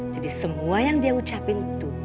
jadi semua yang dia ucapin itu